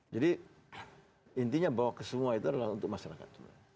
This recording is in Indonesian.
jadi intinya bawa ke semua itu adalah untuk masyarakat